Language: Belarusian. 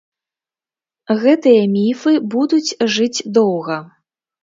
Гэтыя міфы будуць жыць доўга.